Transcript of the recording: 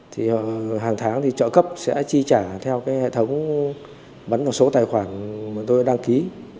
thì hàng tháng trợ cấp sẽ chi trả theo hệ thống bắn vào số tài khoản tôi đăng ký